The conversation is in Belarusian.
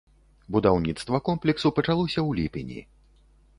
Будаўніцтва комплексу пачалося ў ліпені.